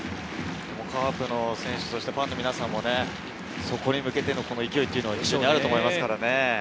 カープの選手、ファンの皆さんもそこに向けての勢いっていうのはあると思いますからね。